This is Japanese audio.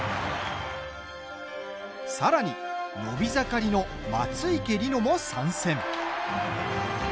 さらに伸び盛りの松生梨乃も参戦。